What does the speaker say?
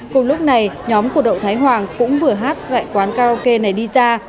cùng lúc này nhóm của đậu thái hoàng cũng vừa hát tại quán karaoke này đi ra